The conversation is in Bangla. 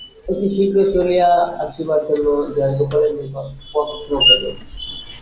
অতি শীঘ্র চলিয়া আসিবার জন্য জয়গোপালের নিকট পত্র গেল।